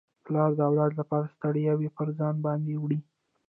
پلار د اولاد لپاره ستړياوي پر ځان باندي وړي.